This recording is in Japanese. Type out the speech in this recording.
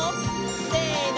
せの！